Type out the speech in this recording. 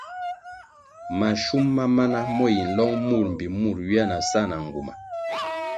Mashum ma mana mo yi nlong mur mbpi mur ywia na sa na nguma.